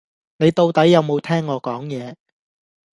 你到底有無聽我講野？